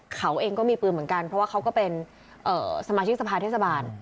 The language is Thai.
เขาเองก็มีปืนเหมือนกันเพราะว่าเขาก็เป็นสมาชิกสภาเทศบาล